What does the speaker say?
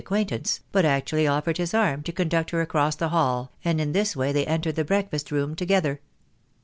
Ill acquaintance, but actually offered liis arm to conduct her across the hall, and in this way they entered the breakfast rqpm together.